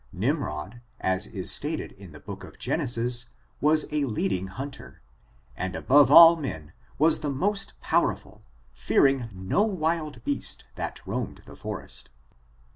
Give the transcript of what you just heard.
Nimrod, as is stated in the book of Genesis, was a leading hunter^ and above all men was the most powerful, fearing no wild beast that roamed the forest.